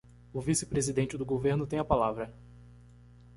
O vice-presidente do governo tem a palavra.